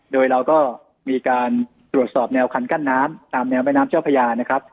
โดยเราก็มีการตรวจสอบแนวคันกั้นน้ำตามแนวแม่น้ำเจ้าพญานะครับ